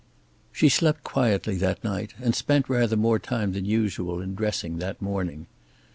She slept quietly that night, and spent rather more time than usual in dressing that morning.